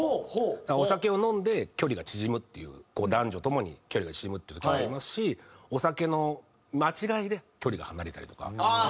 だからお酒を飲んで距離が縮むっていう男女ともに距離が縮むっていう時もありますしお酒の間違いで距離が離れたりとか。